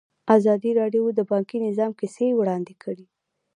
ازادي راډیو د بانکي نظام کیسې وړاندې کړي.